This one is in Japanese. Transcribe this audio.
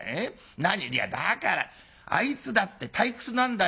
何いやだからあいつだって退屈なんだよ。